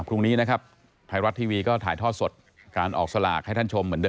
พรุ่งนี้นะครับไทยรัฐทีวีก็ถ่ายทอดสดการออกสลากให้ท่านชมเหมือนเดิ